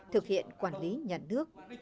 thực hiện quản lý nhận nước